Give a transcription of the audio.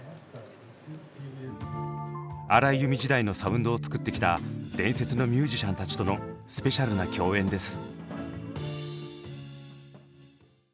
荒井由実時代のサウンドを作ってきた伝説のミュージシャンたちとのスペシャルな共演です。